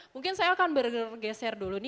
mungkin saya akan bergeser dulu nih